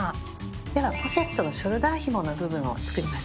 ではポシェットのショルダーひもの部分を作りましょう。